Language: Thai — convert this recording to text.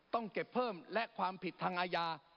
ต้องเก็บเพิ่มและความผิดทางอาญา